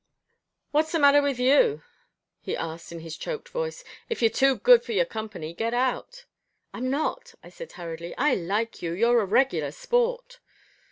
"What's the matter with you?" he asked in his choked voice. "If you're too good for your company, get out." "I'm not," I said hurriedly. "I like you. You're a regular sport."